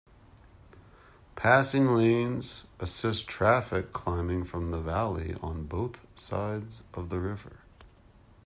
Passing lanes assist traffic climbing from the valley on both sides of the river.